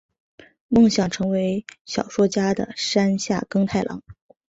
梦想成为小说家的山下耕太郎！